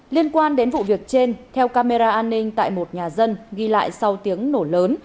liên quan đến vụ việc trên theo camera an ninh tại một nhà dân ghi lại sau tiếng nổ lớn